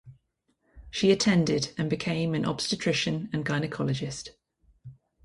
She attended and became an obstetrician and gynecologist.